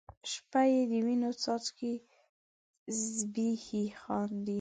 شپه یې د وینو څاڅکي زبیښي خاندي